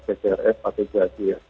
ke crs atau kjs